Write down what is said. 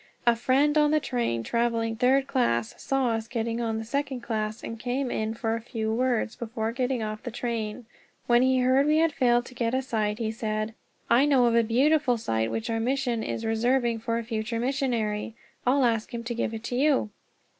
A friend on the train, traveling third class, saw us getting on the second class, and came in for a few words before getting off the train. When he heard we had failed to get a site, he said: "I know of a beautiful site which our Mission is reserving for a future missionary. I'll ask them to give it to you."